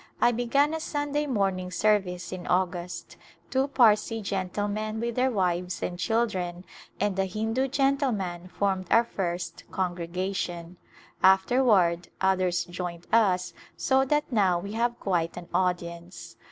I began a Sunday morning service in August. Two Parsee gentlemen with their wives and children and a Hindu gentleman formed our first congregation ; afterward others joined us so that now we have quite [ 220 ] A New Co7npanioii an audience.